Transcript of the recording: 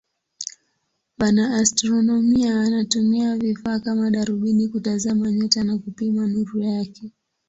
Wanaastronomia wanatumia vifaa kama darubini kutazama nyota na kupima nuru yake.